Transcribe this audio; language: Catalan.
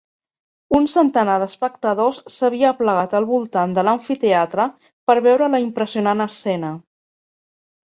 Un centenar d'espectadors s'havia aplegat al voltant de l'amfiteatre per veure la impressionant escena.